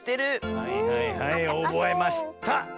はいはいはいおぼえました！